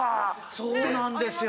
そうなんですよ。